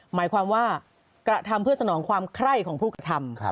หมายความว่ากระทำเพื่อสนองความไคร้ของผู้กระทำ